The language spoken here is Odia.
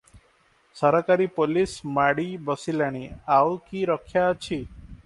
ସରକାରୀ ପୋଲିଶ ମାଡ଼ି ବସିଲାଣି, ଆଉ କି ରକ୍ଷା ଅଛି ।